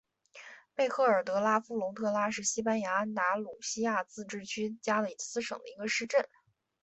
贝赫尔德拉夫龙特拉是西班牙安达卢西亚自治区加的斯省的一个市镇。